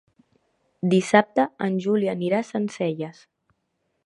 Dissabte en Juli anirà a Sencelles.